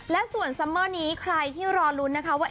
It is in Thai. และส่วนซัมเมอร์นี้ใครที่รอลุ้นนะคะว่า